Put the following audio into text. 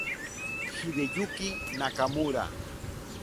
Hideyuki Nakamura